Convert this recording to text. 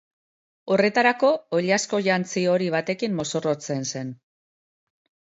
Horretarako, oilasko jantzi hori batekin mozorrotzen zen.